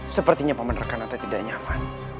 sepertinya paman arkananta tidak nyaman